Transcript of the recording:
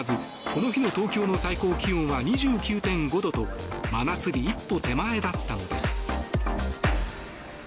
この日の東京の最高気温は２９．５度と真夏日一歩手前だったのです。